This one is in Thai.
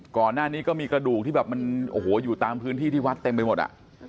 ก่อนหน้านี้ก็มีกระดูกที่แบบมันโอ้โหอยู่ตามพื้นที่ที่วัดเต็มไปหมดอ่ะ